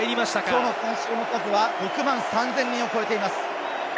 観客の数は６万３０００人を超えています。